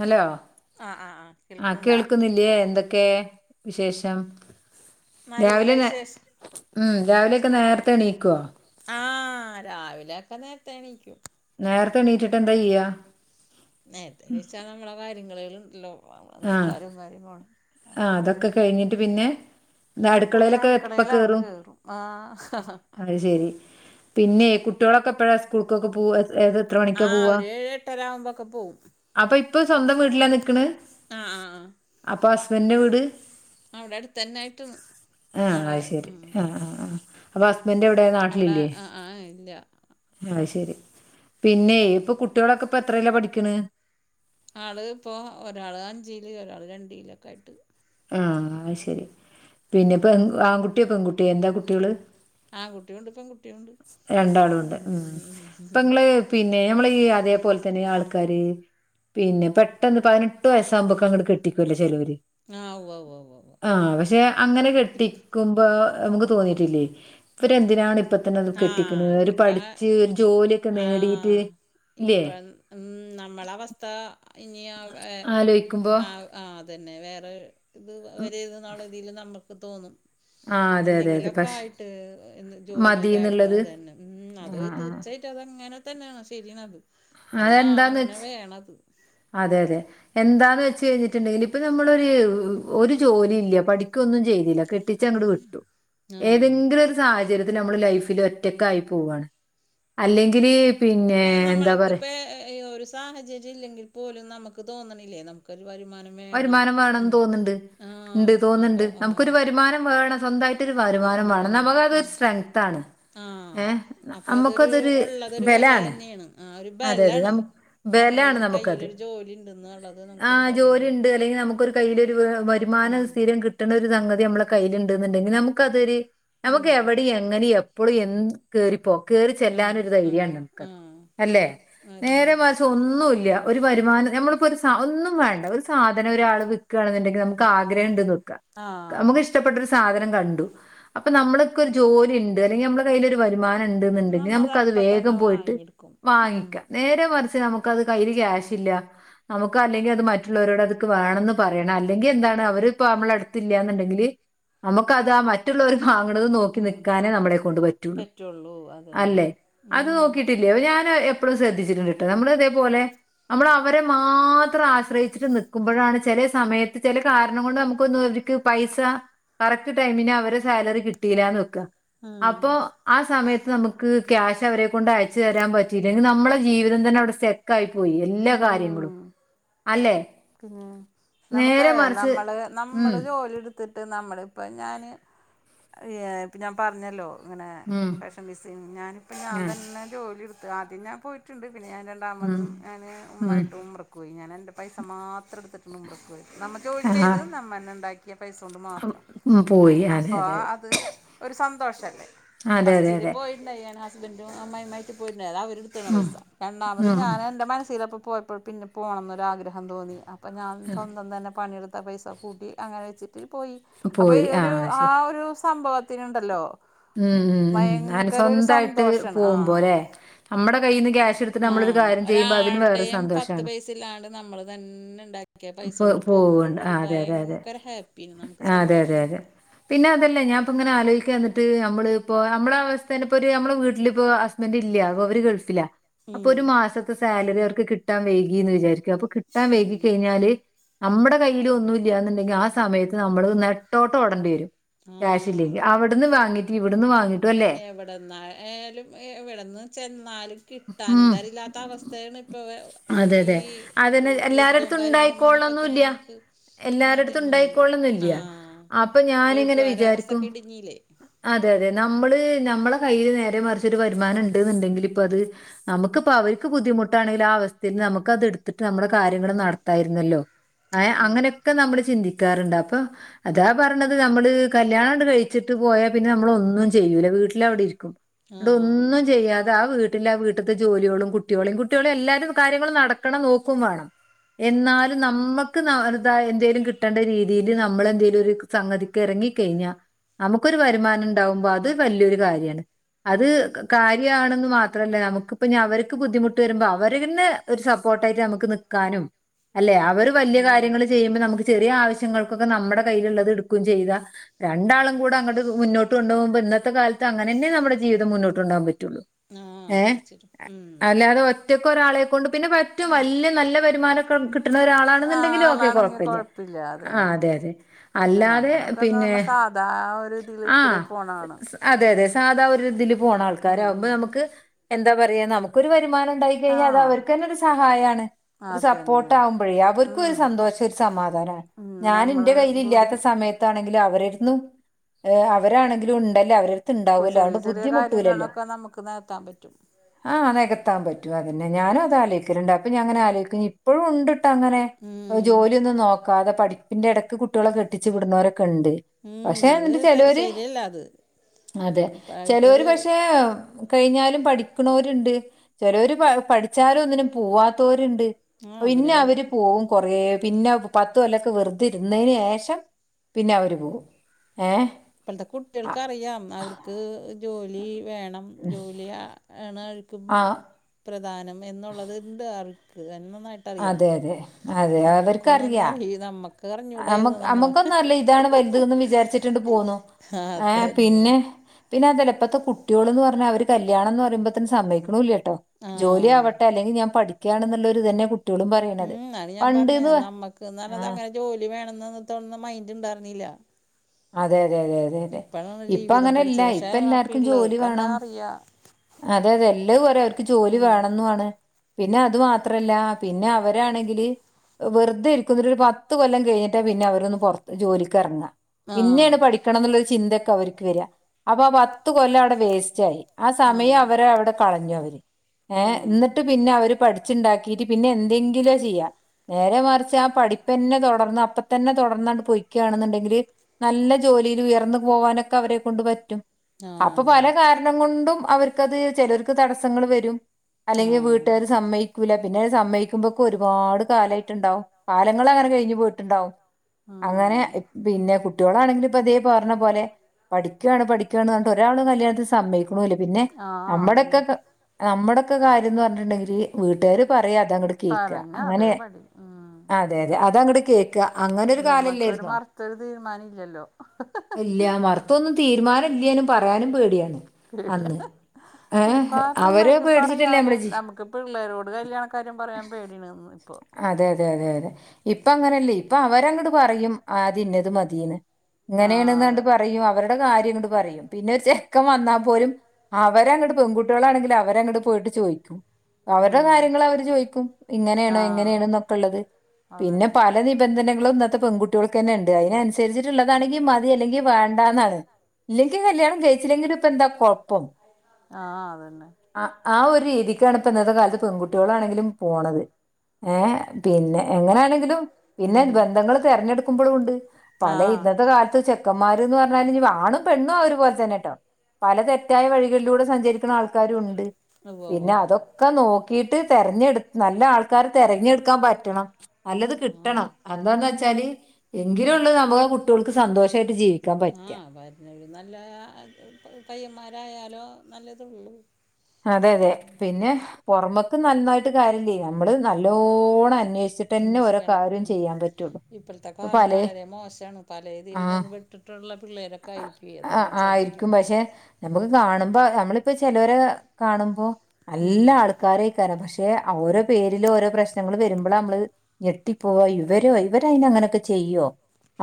Hello..? ആഹ് ആഹ് ആഹ്, കേൾക്കുന്നുണ്ടാ കേൾക്കുന്നില്ലയേ? എന്തെക്കെ? വിശേഷം? നല്ല രാവിലെ നേ, വിശേഷം ഉം. രാവിലെയൊക്കെ നേരത്തെ എണീക്കോ? ആ.. ഹ്, രാവിലെ ഒക്കെ നേരത്തെ എണീക്കും. നേരത്തെ എണീറ്റിട്ട് എന്താ ചെയ്യാ? നേരത്തെ എണീച്ച നമ്മളെ കാര്യങ്ങളെളുണ്ടല്ലോ! നിസ്കാരം കാര്യങ്ങളും ആഹ്, അതൊക്കെ കഴിഞ്ഞിട്ട് പിന്നെ? [unintelligible] അപ്പൊ അടുക്കളേലൊക്കെ എപ്പ അടുക്കളയിലാണ്ട് കേറും? ആഹ് അഹ്ശരി. പിന്നെയ്, കുട്ടിയോളൊക്കെ എപ്പോഴാ സ്കൂൾക്കൊക്കെ പോവ? [unintelligible] എത്ര മണിക്കാ ആഹ് പോവാ? ഒരു ഏഴ് എട്ടര ആവുമ്പോക്കെ പോവും അപ്പൊ ഇപ്പോം സ്വന്തം വീട്ടിലാ നിക്കണ്? ആഹ്, ആഹ്, ആഹ്. അപ്പൊ ഹസ്ബൻന്റെ വീട്? അവിടെ അടുത്തന്നായിട്ട് ആഹ്, ആളെ അയ് ശെരി. ഉം ആഹ്, ആഹ്, ആഹ്. അപ്പൊ ഹസ്ബന്റ് എവിടെ? അവിടെ നാട്ടിലില്ലേ? ആഹ് ആഹ് ഇല്ല ആയ് ശെരി. പിന്നെയ്, ഇപ്പൊ കുട്ടിയോളൊക്കെ ഇപ്പൊ എത്രേലാ പഠിക്ക്ണ്? ആൾ ഇപ്പോ, ഒരാൾ അഞ്ച്ല്, ഒരാൾ രണ്ട്ല് ഒക്കെ ആയിട്ട്. ആഹ്, അയ്ശെരി. പിന്നെ പെ- ആൺകുട്ടിയോ? പെൺകുട്ടിയോ? എന്താ കുട്ടികള്? ആകുട്ടിയുണ്ട്, പെൺകുട്ടിയുണ്ട്. രണ്ടാളും ഉണ്ട് ഉം ഇപ്പൊ നിങ്ങള് [unintelligible] പിന്നെ, നമ്മള് ഈ അതേപോലെതന്നെ ആൾക്കാര് പിന്നെ, പെട്ടെന്ന് പതിനെട്ട് വയസകുമ്പോക്ക് അങ്ങട് കെട്ടിക്കൊല്ലോ ചേലോര് ആഹ്, ഉവ്വ്, ഉവ്വ്, ഉവ്വ്. ആഹ്. പക്ഷെ, അങ്ങനെ കെട്ടിക്കുമ്പോ നമുക്ക് തോന്നിട്ടില്ലേ? ഇവര് എന്തിനാണ് ഇപ്പതന്നെക്കെ ആ കെട്ടിക്ക്ണ്? ഓര് ഇപ്പം പഠിച്ച് ജോലിയൊക്കെ നേടിട്ട്, ഇല്ലേ? നമ്മള അവസ്ഥ, ഇനിയ ആലോചിക്കുമ്പോ ആഹ്, അതെന്നെ. വേറെ ഇത്, ഉം, [unintelligible] തില് നമുക്ക് തോന്നും. ആ അതെ അതെ അതെ എന്തെങ്കിലൊക്കെ പക്ഷെ ആയിട്ട്, ജോലിയിലായിട്ട്, മതിന്നുള്ളത് അതെന്നെ. ഉം, അത് വഴി ആഹ് ആഹ് തീർച്ചയായും [unintelligible] അതങ്ങനെ തന്നേണ് ചെയ്യണത്. അത് നാ., അതെന്താന്ന് അങ്ങനെ വെച്ച് വേണത്. അതെ, അതെ. എന്താന്ന് വെച്ച് കഴിഞ്ഞിട്ട്ണ്ടെങ്കിൽ ഇപ്പൊ നമ്മളൊരു, ഒരു ജോലി ഇല്ല, പഠിക്കൊന്നും ചെയ്തില്ല. കെട്ടിച്ച് അങ്ങട് വിട്ടു. ആ ഏതെങ്കിലും ഒരു സാഹചര്യത്തിൽ നമ്മള് ലൈഫില് ഒറ്റക്കായി പോവാണ്. അല്ലെങ്കില് പിന്നെ ഇപ്പെ, എന്താ നമ്മളെക്കെ പറയാ പ്പേ [unintelligible] ഇല്ലെങ്കിൽ പോലും, നമുക്ക് തോന്നണില്ലേ? നമുക്കൊരു വരുമാനം വേണം വരുമാനം വേണംന്ന് ഉം തോന്ന്ണ്ട്. ഉണ്ട്, ആഹ് അപ്പൊ തോന്ന്ണ്ട്. ആഹ് നമുക്കൊരു വരുമാനം വേണം, സ്വന്തമായിട്ട് ട്ടൊരു വരുമാനം വേണം. ഉം ന്നാ ഉം മ്മക്ക് ഉം അതൊരു സ്ട്രെങ്ത്ത് ആണ്. ആഹ് ഏഹ്! അപ്പൊ അതൊരു അമ്മക്കതൊരു ഉള്ളതൊരു വില ബലാണ്. തന്നെയാണ് ആ ഒരു അതെതെ, ന ബലാണ് നമ്മളെ ബലാണ് നമുക്കത്. കയ്യിലൊരു ജോലി ഉണ്ടെന്നുള്ളത് ആ നമുക്കൊരു ബലം ജോലി തന്നെയാണ് ഉണ്ട് അല്ലെങ്കിൽ നമുക്കൊരു കയ്യിലൊരു വരുമാനം ഉം സ്ഥിരം കിട്ടണരു സംഗതി നമ്മളെ കയ്യില്ണ്ട്ന്ന് ണ്ടെങ്കിൽ നമുക്ക് അതൊരു നമുക്ക് ഉം എവിടെ എങ്ങനെ എപ്പളൂം എൻ കേറിപ്പോ കേറിചെല്ലാാനൊ ആഹ് ഒരു ധൈര്യാണ് ആഹ് നമുക്ക് ആഹ് അല്ലെ ആ നേരെ പിന്നെ മറിച് ഒന്നുല്ല ഒരു വരുമാനം നമ്മളിപ്പോ ഒരുസ ഒന്നും വേണ്ട ഒരു സാധനം ഒരാൾ വിക കാണെന്ന്ണ്ടെങ്കിൽ നമുക്ക് ആഗ്രഹംണ്ട്ന്നക്ക് ആഹ് നമുക്ക് ഇഷ്ടപ്പെട്ട ഒരു സാധനം കണ്ടു. അപ്പൊ നമ്മള്ക്കൊര് ജോലിണ്ട് അല്ലെങ്കിൽ നമ്മുടെ കയ്യിലൊ ഒരു വരുമാനം ഉണ്ട്ന്ന്ണ്ടെങ്കി നമ്മത് നമുക്ക് അത് അപ്പ തന്നെ വേഗം പോയിട്ട് വാങ്ങിയെടുക്കും ഉം വാങ്ങിക്കാം നേരെ മറിച്ച് നമുക്ക്ത് കയ്യിയില് ക്യാഷ് ഇല്യാ നമുക്ക് അല്ലെങ്കിൽ അത് മറ്റുള്ളവരോട് അതെക് വേണംന്ന് പറയണം. അല്ലെങ്കിൽ എന്താണ് അവരിപ്പൊ നമ്മള അടുത്ത്ല്യാന്ന്ണ്ടെങ്കില് നമുക്ക് അതാ മറ്റുള്ളവർ വാങ്ങുണത് നോക്കി നിക്കാനേ നമ്മളെ കൊണ്ട് പറ്റുള്ളു പറ്റുള്ളൂ അതന്നെ അല്ലെ? അത് ഉം നോക്കിയിട്ടില്ലേ ഞാൻ എപ്പഴും ശ്രദ്ധിച്ചിണ്ട്ട്ടോ നമ്മള്തേപോലെ നമ്മൾ അവരെ മാത്രം ആശ്രയിച്ചിട്ട് നിക്കുമ്പോഴാണ് ചില സമയത്ത് ചില കാരണം കൊണ്ട് നമുകൊന്ന്ഒരി ക്ക് പൈസ കറക്റ്റ് ടൈമിന് അവരെ സാലറി കിട്ടിയിലാന്ന് വെക്ക ഉം അപ്പൊ ആ സമയത്ത് നമുക്ക് ക്യാഷ് അവരെ കൊണ്ട് അയച്ചു തരാൻ പറ്റു നമ്മളെ ജീവിതം തന്നെ അവിടെ സ്റ്റക്കായി പോയി ഉം എല്ലാകാര്യങ്ങളും അല്ലെ? പിന്നെ നമുക്ക് നമ്മള് ഉം. നമ്മള് ജോലിട് ത്തിട്ട് നമ്മള്പ്പം ഞാന് എാ പ്പഞാൻ പറഞ്ഞല്ലോ? ഇങ്ങനെ ഉം. ഫാഷൻഡിസൈന് ഞാനിപ്പം ഞാൻ ആഹ്. തന്നെ ജോലിട്ത്ത് ആദ്യംഞാൻ പോയിട്ടുണ്ട് പിന്നെ ഞാൻ. ഉം. രണ്ടാമതും ഞന് ഉം. ഉമ്മായിട്ടു ഉംറകോയി. ഞാൻ എൻ്റെ പൈസ മാത്രം എടുത്തിട്ട്ന് ഉംറകോയ്ത്. നമ്മ ആഹ്. ജോലിചെയ്ത് നമ്മന്നെണ്ടാക്കിയ പൈസ കൊണ്ട് മാത്രം. ഉം പോയി. അതെ അസോ അതെ അതെ. അത് ഒരു സന്തോഷല്ലേ അതെ അതെ ഫസ്റ്റില് അതെ. പോയിണ്ടായാണ് ഹസ്ബൻഡും അമ്മായിമ്മായിട്ട് പോയിട്ട്ണ്ടായ അതവോരു ഉം ട്ട്ണപൈസ രണ്ടാമത് ഉം ഞാന് എന്റെ മനസ്സിലപ്പോ പോയപ്പോ പിന്നെ പോണം എന്നൊ ആഗ്രഹം തോന്നി. പ്പം ഞാൻ സ്വന്തം തന്നെ പണിയെടുത്ത പൈസ കൂട്ടി അങ്ങനെ വെച്ച് പോയി അപ്പൊ പോയി ഒരു ആഹ് ആ ശരി ഒരു സംഭവത്തിന്ണ്ടല്ലോ ഉം ഉം ഉം ഞൻ സ്വന്തയിട്ട് സന്തോഷമാണ് ആ പോവുമ്പോലെ നമ്മുടെ കയ്യിൽ നിന്ന് ക്യാഷ് ഇട് ആ ഒരാൾടെയും പത്ത് പൈസ ഇല്ലാണ്ട് നമ്മൾ തന്നെ തന്നെ ഉണ്ടാക്കിയ പോ പൈസോണ്ട് പോകുമ്പോഴ പോവ്ണ്ട് ഒരു ആഹ് അതെ അതെ അതെ ഭയങ്കര ഹാപ്പി നമുക്ക് ആ, അതെ അതെ സന്തോഷം. അതെ പിന്നെ അതല്ല ഞാപ്പ ഇങ്ങെ ആലോയ്ക്കാറ്ന്നു. ട്ട് നമ്മള ഇപ്പോ നമ്മളെ അവസ്ഥേന പ്പോ ഒരു നമ്മളെ വീട്ടില് പ്പോ ഹസ്ബന്റ് ഇല്ല അവര് ഗൾഫിലാ അപ്പൊ ഉം ഒരു മാസത്തെ സാലറി അവർക്ക് കിട്ടാൻ വൈകിന്ന് വിചാരിക്ക അപ്പൊ കിട്ടാൻ വൈകി ഉം കഴിഞ്ഞാല് നമ്മടെ കയ്ൽ ഒന്നുംല്ല്യന്ന്ണ്ടെങ്കി ആ സമയത്ത് നമ്മള് നെട്ടോട്ടംഓടണ്ടിവരും. ആഹ് അവിടുന്ന് വാങ്ങിട്ട് ഇവിടുന്ന് വാങ്ങിട്ട് എവിടന്നായാലും എവിടെന്ന് ചെന്നാലും ഉം കിട്ടാനുംന്താരില്ലാത്ത അവസ്ഥ താണ് ഇപ്പൊവേ അതെ ഈ അതെ അതന്നെ യുദ്ധും എല്ലാരടുത്തും കാര്യങ്ങളും മന്നപ്പോ തന്നെ ഉണ്ടായിക്കോളണംന്നുല്ല നമുക്ക് എല്ലാരടുത്തും മാദ്യ്യം വന്നില്ല ഉണ്ടായിക്കോളണംന്നില്ല ആഹ അപ്പൊ ഗൾഫ് ഞാനിങ്ങനെ കാരാവസ്ഥ വിചാരിക്കും ഒക്കെ ഇടിഞ്ഞല്ലേ അതെ അതെ നമ്മള് നമ്മളെ കയ്യില് നേരെ മർച്ച് ഒരു വരുമാനംണ്ട് ന്ന്ണ്ടെങ്കിൽ ഇപ്പത് നമുക്ക്പ്പ അവര്ക്ക് ബുദ്ധിമുട്ടാണെങ്കിൽ ആ അവസ്ഥ നമുക്കത് ഇട്ത്തിട്ട് നമ്മളെ കാര്യങ്ങൾ നടത്തായിരുന്നല്ലോ? ആഹ് അങ്ങനെ ഒക്കെ നമ്മള് ചിന്തിക്കാറ്ണ്ട് അപ്പൊ അതാ പറഞ്ഞത് നമ്മള് കല്യാണംണ്ട് കഴിച്ചിട്ട് പോയാപിന്നെ നമ്മള ഒന്നും ചെയ്യൂല വീട്ടില അവിടെ ഇരിക്കും ടു ആഹ് ഒന്നും ചെയ്യാതെ അ വീട്ടില് ആ വീട്ടത്ത് ജോലികളും കുട്ടോളിം കുട്ടോളിം എല്ലാരും കാര്യങ്ങള് നടക്കണം നോക്കും വാണം. എന്നാലും നമ്മക്ക് ന്നര്ത എന്തേലും കിട്ടേണ്ട രീതി ഇതില് നമ്മളെന്തെലും ഒരു സംഗതിക്ക് ഇറങ്ങ കഴിഞ്ഞാ നമുക്കൊരു വരുമാനം ഉണ്ടാവുമ്പോഅത് ത് വല്ല്യരു കാര്യാണ് അത് കാര്യാണെന്ന് മാത്രമല്ല നമുക്കിപ്പഞ അവർക്ക് ബുദ്ധിമുട്ട് വരുമ്പോ അവര് ഇന്ന് ഒരു സപ്പോട്ടായിട്ട് നമ്മക്ക് നിക്കാനും അല്ലേ? അവര് വല്ല്യ ആഹ് കാര്യങ്ങള് ചെയ്യുമ്പോ നമുക്ക് ചെറിയ ആവശ്യങ്ങൾക്കൊക്കെ നമ്മുടെ കയ്യിലുള്ളത് ഇട്ക്കും ചെയ്യ്താ രണ്ടാളും കൂടെ അങ്ങട്ട് മുന്നോട്ട് കൊണ്ടപോവുമ്പോ ഇന്നത്തെ കാലത്ത് അങ്ങനെന്നെ നമ്മുടെ ജീവിതം മുന്നോട്ട്ണ്ടാൻ പറ്റുള്ളു ആഹ [unintelligible] ഉം അല്ലാതെ ഒറ്റ ക്കൊരാളെ കൊണ്ട് പിന്നെ പറ്റും വല്ല്യ നല്ല വരുമാനൊക്കെ ആഹ് കിട്ട്ളൊരാളാണെന്ന്ണ്ടെങ്കിലൊക്കെ ആളാണെങ്കി കൊഴപ്പല്ല്യ കൊഴപ്പില്ല അതന്നെ ആഹ് അതെ അതെ പക്ഷെ അല്ലാതെ നമ്മളൊക്കെ പിന്നെ നമ്മ സാധാ ഒരു ഇതിൽ ആഹ കൂടെ പോണാണ് അതെ അതെ സാധാ ഒരുതില് ഉം പോണാൾക്കാരാവുമ്പോ ഉം നമുക്ക് എന്താ പറിയാ നമുക്കൊരു വെരുമാനണ്ടായി കഴിഞ്ഞാ ആഹ് അതവര്ക്കെന്നൊരു സഹായാണ്. ഒരു അതന്നെ സപ്പോർട്ടാവുമ്പഴേ അവർക്കും ഒരു ഉം സന്തോഷം ഒരു സമാധാനാണ്. ഉം ഞാനിന്റെ നമ്മള് കൂടി കയ്യിലില്ല്യാത്ത സമയത്താണെങ്കിലും അവരിട്ത്ത്ന്നും ഏഹ് അവരാണെങ്കിലും ഇണ്ട് ണ്ടല്ലേ അവരട്ത്ത് കു ഇണ്ടാവൊല്ലോ ചെറിയ അതോണ്ട് ചെറിയ ബുദ്ധിമുട്ടൂലല്ലോ കാര്യങ്ങളൊക്കെ നമുക്ക് നികത്താൻ പറ്റും ആഹ് നെകത്താം പറ്റും അതന്നെ ഞാനും അത് ആലോയ്ക്കല്ണ്ട് അപ്പഞാങ്ങെനെ ആലോയ്ക്കും ഇപ്പഴുണ്ട് ട്ടങ്ങനെ ഉം ജോലിയൊന്നും നോക്കാതെ പഠി പ്പിന്റെ എടക്ക് കുട്യോളെ കെട്ടിച്ച് വിട്ണോരെക്കെണ്ട് പക്ഷെ എന്ന്ട്ട് ചെലോ ശെരിയല്ലത് അതെ ചെലോര് പഷേ കഴിഞ്ഞാലും പഠിക്ക്ണോര്ണ്ട് ചെലോര് പഠി ച്ചാലും ഒന്നിനും പോവാത്തോര്ണ്ട് ആ പിന്ന പിന്നെ അവര് പോവും കൊറേ പിന്നെ പത്ത് കൊല്ലൊക്കെ വെറുതെര്ന്നേനേഷം പിന്ന അവര് പോവും ഏഹ് ഇപ്പൾത്തെ അ കുട്ടിൾക്കറിയാം അവർക്ക് ജോലി വേണം ജോലി ആണവരിക്ക ആഹ്. [unintelligible] പ്രധാനം എന്ന്ള്ളത് ഇണ്ട് അവർക്ക് അയ്നന്നായിട്ട റിയാം അതെ, അതെ. അതെ. അവർക്കറിയാ. നമ്മക്കൊന്നന്നറി നമ്മ നമ്മക്ക്റിഞ്ഞൂടായിരുന്നു നമ്മളെ നമ്മക്കൊന്നല്ല ഇതാണ് വൽതൂന്നും വിചാരിച്ചിട്ടാണ്ട് പോന്നു ഏഹ് അതന്നെ പിന്നെ പിന്നെ അതല്ല ഇപ്പത്തെ കുട്ട്യോളുന്നും പറഞ്ഞാ അവര് കല്യാണംന്ന് പറിംമ്പോത്തിന് സമ്മയ്ക്കുണൂല്ല്യല്ലോ ട്ടോ ജോലി ആഹ് ആവട്ടെ അല്ലെങ്കി ഞാൻ പഠിക്കാണ്ന്നുള്ളൊരുതന്നെ കുട്ട്യാ ഉം അതെ ഞാൻ പറഞ്ഞേ നമ്മക്ക്ന്ന് പറഞ്ഞത് ആ അങ്ങനെ ജോലി വേണംന്ന് തോന്ന്ണ് മൈൻഡ്ണ്ടാർന്നില്ല അതെ അതെ അതെ അതെ ജീവിതം ഇപ്പങ്ങനെല്ല പഠിച്ചത് പക്ഷെ ആ ഇപ്പല്ലാർക്കും ജോലി പിള്ളേർക്കെല്ലാം വേണം അറിയാ അതെ അതെ എല്ല [unintelligible] അവർക്ക് ജോലി ഉം വേണന്നു ആണ് പിന്നെ അതു മാത്രല്ല പിന്നെ അവരാണെങ്കില് വെറുതെ ഇര്ക്കും എന്നിട്ടൊരു പത്ത് കൊല്ലം കഴിഞ്ഞിട്ടാ പിന്നെ അവരൊന്ന് പുറത്ത് ജോലിക്ക് എറങ്ങാ ആഹ് പിന്നേണ് പഠിക്കണെന്നുള്ളൊരു ചിന്തൊക്കെ അവർക്ക് വെര അപ്പാ പത്ത് കൊല്ലൗടെ വേസ്റ്റായി ആ അതന്നെ സമയവരവ്ടെ കളഞ്ഞോയി ഏഹ് ഉം ഇന്ന്ട്ട് പിന്ന അവര് പഠിച്ച്ണ്ടാക്കിട്ട് പിന്നെന്തെങ്കിലൊ ചെയ്യാ നേരെ മറിച്ച് ആ പഠിപ്പന്നെ തൊടർന്ന് അപ്പത്തന്നെ തൊടർന്നാണ്ട് പൊയ്ക്യാണെന്ന്ണ്ടെങ്കില് നല്ല ജോലിയിലുയർന്ന് പോവാനൊക്കെ അവരെ കൊണ്ട് പറ്റും ആഹ് അപ്പൊ പല അതന്നെ കാര ണം കൊണ്ടും അവർക്കത് ചെലോര്ക്ക് തട്സങ്ങള് വെരും അല്ലെങ്കി ആഹ് വീട്ടാര് സമ്മയ്ക്കൂല ക്കൂല പിന്നത് സമ്മയിക്കുമ്പോക്കെ ഒരുപാട് കാലായിട്ട്ണ്ടാവും. കാലങ്ങളങ്ങനെ കഴിഞ്ഞ് പോയിട്ട്ണ്ടാവും അങ്ങനെ ഉം പിന്നെ കുട്ട്യ ഇപ്പളാണെങ്കിലിത് ഇപ്പതീ പറഞ്ഞപോലെ പഠിക്കാണ് പഠിക്കാണ്ന്ന് പറഞ്ട്ട് ഒരാളും കല്യാണത്തിന് സമ്മയ്ക്കൂല പഠിക്ക്ണോല് പിന്നെ ആഹ് അതന്നെ നമ്മ്ടൊക്കെ അമ്മടെക്കെ കാര്യംന്ന് പറ്ഞ്ഞ്ട്ട്ണ്ടെങ്കില് വീട്ടാര് പറയാ അതങ്ങട്ട് കേക്ക പറഞ്ഞ അങ്ങനെ അതേപടി ഉം അതെ അതെ അതങ്ങട് കേ [unintelligible] അങ്ങന നമ്മക്കൊരു മർത്തൊരു തീരുമാനില്ല്യല്ലോ ഇല്ല്യ മർത്തൊന്നും തീരുമാനം ഇല്ലെനും പറയാനും പേട്യാണ് പേടിയ ഇപ്പ അവര് [unintelligible] പേടിച്ചിട്ടല്ലേ പറയാനേ നമ്മള് ജി നമ്ക്ക് പിള്ളേരോട് കല്യാണ കാര്യം പറയാം പേടിണ്ന്ന് അതെ അതെ അതെ അതെ ഇപ്പങ്ങനല്ലേ ഇപ്പ അവരങ്ങട്ട് പറിയും ആദ്യന്നത് മതീന്ന് ആ ഇങ്ങനേണ്ന്നാണ്ട് അതെ പറിയും അവര്ടെ കാര്യങ്ങണ്ട് പറിയും പിന്നൊരു ചെ ക്കം വന്നാ പോലും അവരങ്ങട്ട് പെൺകുട്ട്യളാണെങ്കില് അവരങ്ങട്ട് പോയിട്ട് ചോയ്ക്കും അവരുടെ ഉം കാര്യങ്ങൾ അവര് ചോയിക്കും ആ ഇങ്ങനെയാണ് എങ്ങനെയാണ് എന്നൊക്കെ ഉള്ളത് പിന്നെ അതന്നെ പല നി ബന്ധനങ്ങളും ഇന്നത്തെ പെൺകുട്ടികൾക് തന്നെ ഉണ്ട് അതിനനുസരിച്ചിട്ടുള്ളതാണെങ്കി മതി മതി ഇല്ലെങ്കിൽ വേണ്ടന്നാണ് ഇല്ലെങ്കിൽ കല്യാണം കഴിച്ചില്ലെങ്കിലും ഇപ്പൊ എന്താ കൊഴപ്പം ആഹ അതെന്നെ ആ ആ ഒരു രീതിക്കാണ് ഇപ്പ ഇന്നത്തെ കാലത്ത് പെൺകുട്ടികളാണെങ്കിലും പോണത് ഏ പിന്നെ എങ്ങനെയാണെങ്കിലും പിന്നെ ഉം ബന്ധങ്ങൾ തെരഞ്ഞെടുക്കുമ്പോളും ഉണ്ട് ആ പല ഇന്നത്തെ കാലത്ത് ചെക്കന്മാര് എന്ന് പറഞ്ഞാല് ഇനിപ്പോ ആണും പെണ്ണും ഒരുപോലെ തന്നെ ട്ടോ പല തെറ്റായ വഴികളിലൂടെ സഞ്ചരിക്കുന്ന ആൾക്കാരരും ഉണ്ട് വ്വ വ്വ വ്വ വ്വ ഒക്കെ നോക്കിട്ട് തിരഞ്ഞെടു നല്ല ആൾക്കാരെ തിരഞ്ഞെടുക്കാൻ പറ്റണം നല്ലത് ആ കിട്ടണം എന്താന്ന് വെച്ചാല് എങ്കില് ഒള്ളൂ നമ്മുടേ കുട്ടികൾക്ക് സന്തോഷമായിട്ട് ജീവിക്ക ആ വരുന്നതിൽ നല്ല പയ്യന്മാരായാലോ നല്ലതുള്ളു അതെ അതെ പിന്നെ പുറമക്ക് നന്നായിട്ട് കാര്യല്ല്യെ നമ്മള് നല്ലോണം അന്വേഷി അന്വേഷിക്കണം ഉം ഇപ്പോഴത്തെ ഇപ്പൊ കാലം പലേ വളരെ മോശമാണ് പല ഇതിയിലും ആ ചെന്ന് പെട്ട് ട്ടുള്ള പിള്ളേരോ ആ ആയിരിക്കും പക്ഷെ നമ്മുക്ക് കാണുമ്പോ നമ്മളിപ്പോ ചിലവരെ കാണുമ്പോ ഉം നല്ലാ ആൾ ആൾക്കാരെക്കാരം പക്ഷെ ഓരോ പേരിലും ഓരോ പ്രശ്നങ്ങള് വരുമ്പോളാ നമ്മള് ഞെട്ടിപ്പോവാ ഇവരോ ഇവര് അയിന് അങ്ങനെയൊക്കെ ചെയ്യുവോ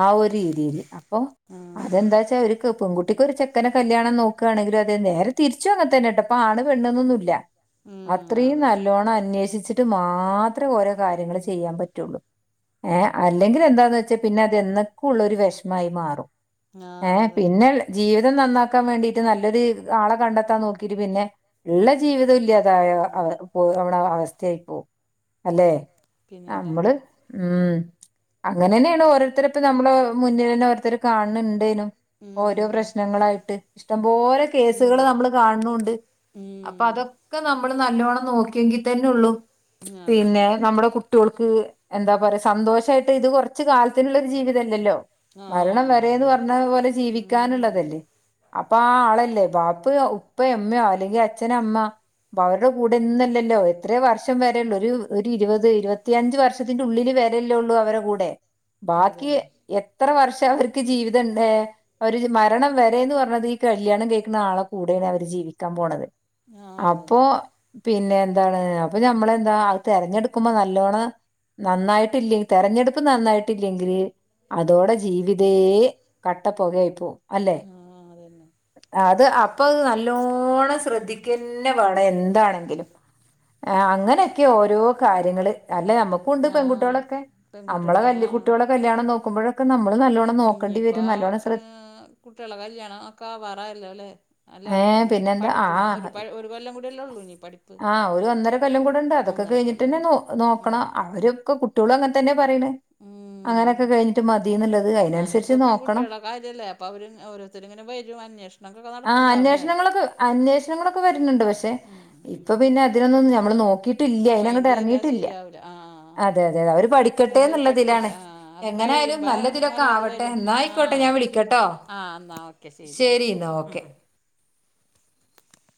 ആ ഒരു രീതിയില് അപ്പൊ ഉം അതെന്താ വച്ചാൽ അവര്ക്ക് പെൺകുട്ടി കുട്ടിക്കൊ ചെക്കനെ കല്യാണം നോക്കുയാണെങ്കിലും അതേ നേരെ തിരിച്ചു അങ്ങനെതന്നെട്ടോ ഇപ്പ ആണ് പെണ്ണ് ന്ന് ഒന്നുല്ല ഉം അത്രയും അതെ നല്ലോണം അന്വേഷിച്ചിട്ട് മാത്രമേ ഓരോ കാര്യങ്ങള് ചെയ്യാൻ പറ്റുള്ളൂ ഏ അല്ലെങ്കിൽ എന്താന്ന് വെച്ചാൽ പിന്നെ അത് എന്നേക്കും ഉള്ള ഒരു വിഷമായി മാറും ആ ഏ അതന്നെ പിന്നെ ജീവിതം നന്നാക്കാൻ വേണ്ടീട്ട് നല്ലൊരു ആളെ കണ്ടെത്താൻ നോക്കിട്ട് പിന്നെ ഇള്ള ജീവിതം ഇല്ലാതായ അവ പോവ്ണ അവസ്ഥയായി പോവും അല്ലെ പിന്നെല്ല നമ്മള് ഉം അങ്ങനെ തന്നെയാണ് ഓരോരുത്തർ ഇപ്പോ നമ്മള മുന്നിൽന്നെ ഓരോത്തരെ കാണണുണ്ടേനും ഉം ഓരോ ഉം പ്രശ്നങ്ങളായിട്ട് ഇഷ്ടംപോലെ ഉം കേസുകൾ നമ്മള് ഇപ്പം കാണുന്നുണ്ട് അപ്പൊ ഉം അതൊക്കെ നമ്മള് നല്ലോണം നോക്കിയെങ്കിൽ തന്നെള്ളു അതന്നെ പിന്നെ നമ്മുടെ കുട്ട കുട്ട്യോൾക്ക് എന്താ പറയാ സന്തോഷമായിട്ട് ഇത് കൊറച്ച് കാലത്തിനുള്ളൊരു ജീവിതം അല്ലല്ലോ ആഹ അതന്നെ പറ പോലെ ഉം. ജീവിക്കാനുള്ളതല്ലേ അപ്പൊ ആ ആളല്ലേ ബാപ്പ ഉപ്പ ഉമ്മയോ അല്ലെങ്കിൽ അച്ഛന അമ്മ അപ്പൊ അവരുടെ കൂടെ ഒന്നുംല്ലല്ലോ എത്ര വർഷം വർഷം വരള്ളൂ ഒരു ഇരുപത് ഇരുപത്തിയഞ്ച് വർഷത്തിന്റെ ഉള്ളില് വരല്ലേള്ളൂ അവരുടെ കൂടെ ബാക്കി അതന്നെ എത്ര വർഷം അവർക്ക് ജീവിതംണ്ട് അവര് മരണം വരന്ന് പറഞ്ഞത് ഈ കല്യാണം കേൾക്കുന്ന ആളെ കൂടെണ് അവര് ജീവിക്കാൻ പോണത് ആ അപ്പൊ അതന്നെ പിന്നെ എന്താണ് അപ്പൊ നമ്മളെന്താ അത് തിരഞ്ഞെടുക്കുമ്പോ നല്ലോണം നന്നായിട്ടില്ലെങ്ക തെരഞ്ഞെടുപ്പ് നന്നായിട്ടില്ലെങ്കില് അതോടെ ജീവിതേ കട്ടപ്പുകയായി പോവും അല്ലെ ആഹ അതെ അത് അപ്പൊ അ നല്ലോണം ശ്രദ്ധിക്കന്നെ വേണം എന്താണെങ്കിലും ആ അങ്ങനെയൊക്കെ ഓരോ കാര്യങ്ങള് അല്ല നമ്മുക്കും ഉണ്ട് ആ പെൺകുട്ടികളൊക്കെ നമ്മളെ പെൺകുട്ടികളെ ആ കല് കുട്ടികളെ കല്യാണം നോക്കുമ്പോഴൊക്കെ നമ്മള് നല്ലോണം നോക്കണ്ടി വരും ഇനിയിപ്പോൾ നല്ലോണ്ണം ശ്രദ്ധ കുട്ടികളെ കല്യാണം ഒക്ക ആവാറയല്ലോ അല്ലെ ഏഹ് അല്ലാവർക്കും പിന്നെന്താ പഠിപ്പും ഒരു ആഹ് ഒരു കൊല്ലം കൂടില്ലേ ഉള്ളൂ ഇനി പഠിപ്പ് ആഹ് ഒരു ഒന്നര കൊല്ലം കൂടെ ഉണ്ട് അതൊക്കെ ഒന്നര കഴിഞ്ഞിട്ട്ന്നെ കൊല്ലമാണ് നോ ഉം. നോക്കണം അവരൊക്കെ കുട്ടി കുട്ട്യാളും അങ്ങനെ തന്നെ പറയണ് ഉം. അങ്ങനെയൊക്കെ കഴിഞ്ഞിട്ട് മതിന്നുള്ളത് അതിനനുസരിച്ച് നോ കുട്ട്യാളെ കാര്യമല്ലേ അപ്പൊ അവര് ഓരോരുത്തും ഇങ്ങനെ വരും അന്വേഷണം ഒക്കെ ആഹ് നടക്ക്‌ണ്ടാവും ല്ലേ അന്വേഷണങ്ങളൊക്കെ അന്വേഷണങ്ങളൊക്കെ വരുന്നുണ്ട് പക്ഷെ ഉം. ഇപ്പൊ പിന്നെ അതിനൊന്നും നമ്മൾ നോക്കിട്ട് ട്ടില്ല അതിനങ്ങോട്ട് മൈൻഡ് ചെയ്താൽ ഇറങ്ങിയിട്ടില്ല ശരിയാവില്ല ആ ആ അതെ അതെ അതെ അവര് പഠിക്കട്ടെ അത് എന്നുള്ളതിലാണ് പഠിക്കട്ടെ ആ അത് എങ്ങനൊയാലും കഴിയുമ്പോൾ നല്ലതിലൊക്കെ നല്ലത് ആവട്ടെ വരും ന്നായി ആ ക്കോട്ടെ ഞാൻ വിളിക്കട്ടോ ആ എന്നാൽ ഓക്കെ ശരി എന്നാ ഓക്കെ എന്നാൽ